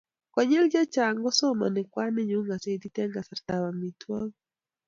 konyil chechang kosomani kwaninyu gazetit eng' kasarta ab amitwogik